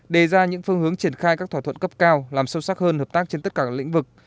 đề ra những phương hướng triển khai các thỏa thuận cấp cao làm sâu sắc hơn hợp tác trên tất cả các lĩnh vực